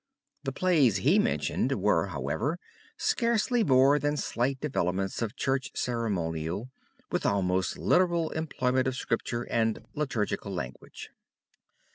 The plays he mentioned were, however, scarcely more than slight developments of Church ceremonial with almost literal employment of scripture and liturgical language.